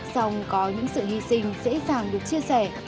song có những sự hy sinh dễ dàng được chia sẻ